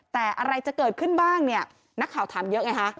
แต่อะไรจะเกิดขึ้นบ้างเนี่ยนักข่าวถามเยอะไงฮะ